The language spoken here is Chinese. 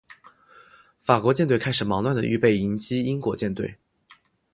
法国舰队开始忙乱地预备迎击英国舰队。